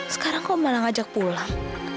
sekarang kau malah ngajak pulang